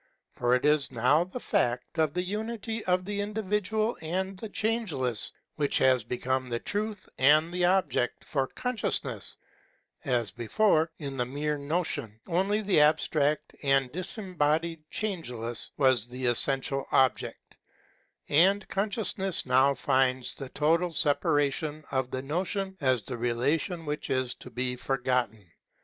For it is now the fact of the unity of the individual and the Changeless which has become the truth and the object for consciousness, as before, in the mere notion, only the abstract and disem bodied Changeless was the essential object; and consciousness now finds the total separation of the notion as the relation which is to be forgotten.